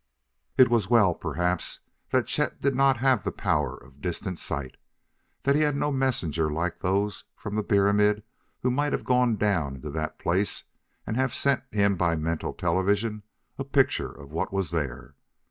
It was as well, perhaps, that Chet did not have the power of distant sight, that he had no messenger like those from the pyramid who might have gone down in that place and have sent him by mental television a picture of what was there.